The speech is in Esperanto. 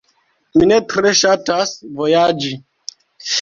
Mi ne tre ŝatas vojaĝi.